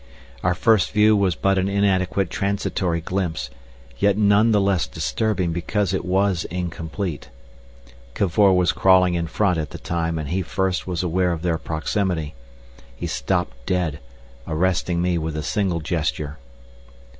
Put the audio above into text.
Our first view was but an inadequate transitory glimpse, yet none the less disturbing because it was incomplete. Cavor was crawling in front at the time, and he first was aware of their proximity. He stopped dead, arresting me with a single gesture.